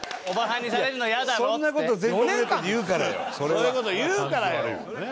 そういう事言うからよ。